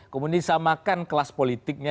kemudian disamakan kelas politiknya